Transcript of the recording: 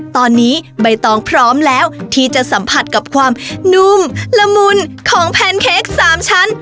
ตอนนี้ใบตองพร้อมแล้วที่จะสัมผัสกับความนุ่มละมุนของแพนเค้ก๓ชั้น